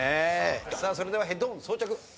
さあそれではヘッドホン装着。